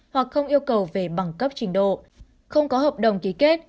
hoặc không yêu cầu về bằng cấp trình độ không có hợp đồng ký kết